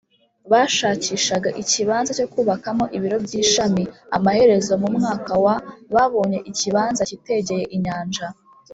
bashakishaga ikibanza cyo kubakamo ibiro by ishami Amaherezo mu mwaka wa babonye ikibanza cyitegeye inyanja